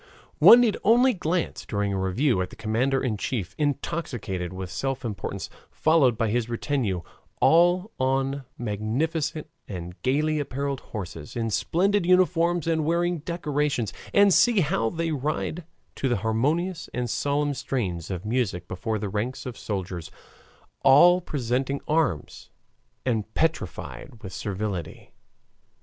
One need only glance during a review at the commander in chief, intoxicated with self importance, followed by his retinue, all on magnificent and gayly appareled horses, in splendid uniforms and wearing decorations, and see how they ride to the harmonious and solemn strains of music before the ranks of soldiers, all presenting arms and petrified with servility.